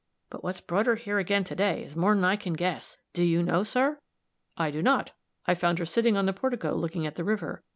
But what's brought her here again to day is more'n I can guess. Do you know, sir?" "I do not. I found her sitting on the portico looking at the river.